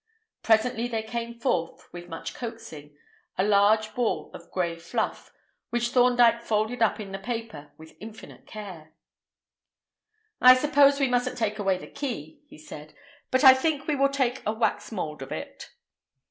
Presently there came forth, with much coaxing, a large ball of grey fluff, which Thorndyke folded up in the paper with infinite care. "I suppose we mustn't take away the key," he said, "but I think we will take a wax mould of it."